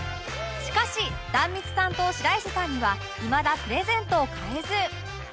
しかし壇蜜さんと白石さんにはいまだプレゼントを買えず